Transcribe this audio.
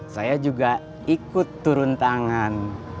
saya juga ikut turun tangan